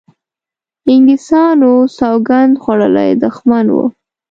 انګلیسیانو سوګند خوړولی دښمن وو.